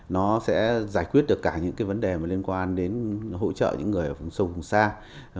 nó sẽ giải quyết được cả những vấn đề liên quan đến hỗ trợ những người ở vùng sông vùng xa